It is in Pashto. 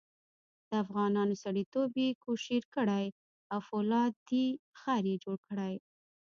د افغانانو سړیتوب یې کوشیر کړی او فولادي غر یې جوړ کړی.